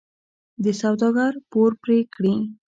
د سوداګر پور پرې کړي.